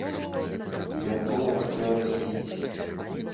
Ён думаў, што ён спіць.